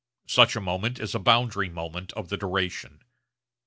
Such a moment is a boundary moment of the duration.